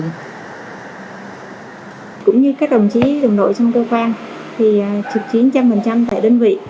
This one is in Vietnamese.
cũng như các đồng chí đồng nội trong cơ quan thì trực chiến trăm phần trăm tại đơn vị